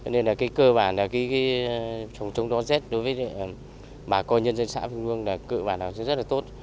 nên là cơ bản là trồng trồng đoan xét đối với bà con nhân dân xã vinh luân là cơ bản là rất là tốt